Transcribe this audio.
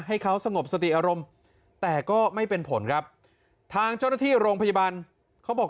ให้เขาสงบสติอารมณ์แต่ก็ไม่เป็นผลครับทางเจ้าหน้าที่โรงพยาบาลเขาบอก